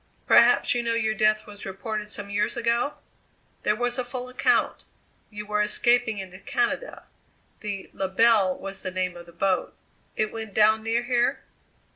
"Perhaps you know your death was reported some years ago? There was a full account. You were escaping into Canada. The La Belle was the name of the boat. It went down near here?"